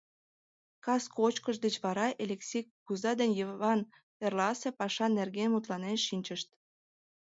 Кас кочкыш деч вара Элексей кугыза ден Йыван эрласе паша нерген мутланен шинчышт.